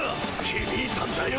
ひびいたんだよ。